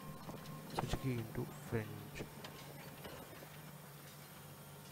Suzuki into French.